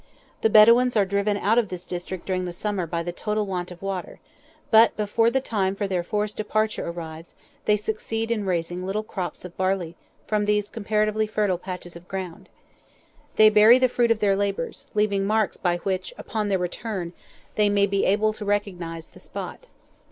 The Bedouins are driven out of this district during the summer by the total want of water, but before the time for their forced departure arrives they succeed in raising little crops of barley from these comparatively fertile patches of ground. They bury the fruit of their labours, leaving marks by which, upon their return, they may be able to recognise the spot.